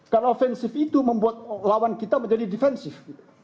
karena offensif itu membuat lawan kita menjadi defensif